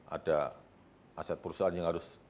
ada aset perusahaan yang harus